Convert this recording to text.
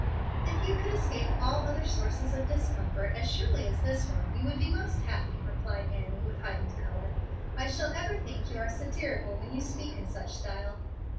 "If you could escape all other sources of discomfort as surely as this one, you would be most happy," replied Annie, with heightened color. "I shall ever think you are satirical when you speak in such style."